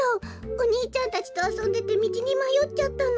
おにいちゃんたちとあそんでてみちにまよっちゃったの。